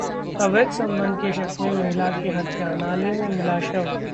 अवैध संबंध के शक में महिला की हत्या, नाले में मिला शव